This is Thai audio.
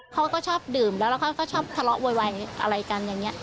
เขาก็ชอบดื่มและเขาก็ชอบทะเลาะไวอะไรกันอย่างนี้